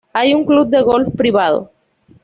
Hay un Club de Golf privado.